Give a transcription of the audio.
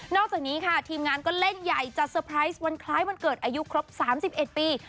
นอกจากนี้ค่ะทีมงานก็เล่นใหญ่จัดวันคล้ายวันเกิดอายุครบสามสิบเอ็ดปี